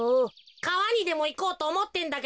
かわにでもいこうとおもってんだけどさ。